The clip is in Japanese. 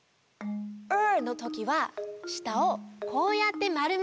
“ｒ”のときはしたをこうやってまるめるの。